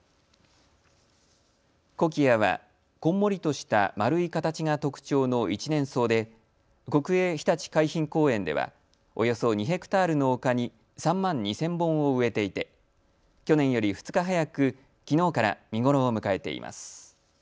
コキアはこんもりとした丸い形が特徴の一年草で国営ひたち海浜公園ではおよそ２ｈａの丘に３万２０００本を植えていて去年より２日早くきのうから見頃を迎えています。